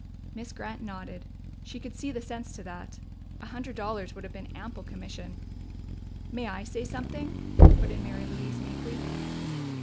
Miss Grant nodded: she could see the sense to that. A hundred dollars would have been ample commission. "May I say something?" put in Mary Louise meekly.